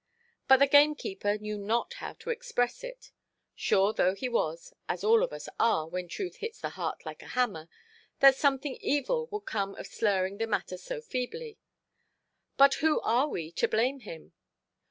But the gamekeeper knew not how to express it; sure though he was (as all of us are, when truth hits the heart like a hammer) that something evil would come of slurring the matter so feebly. But who are we to blame him?